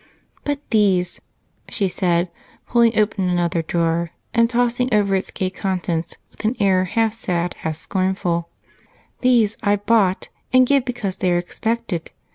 "But these," she said, pulling open another drawer and tossing over its gay contents with an air half sad, half scornful, "these I bought and give because they are expected.